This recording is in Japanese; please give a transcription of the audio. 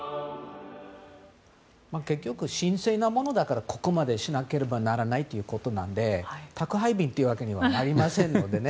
結局、神聖なものだからここまでしなければならないってことなので宅配便というわけにはまいりませんのでね。